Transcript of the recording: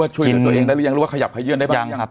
ว่าช่วยตัวเองได้หรือยังหรือว่าขยับขยืนได้บ้างยังครับ